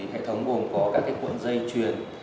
hệ thống gồm có các cái cuộn dây truyền